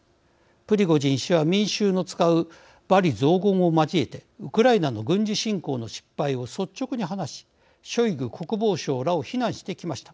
プリゴジン氏は民衆の使う罵詈雑言を交えてウクライナの軍事侵攻の失敗を率直に話しショイグ国防相らを非難してきました。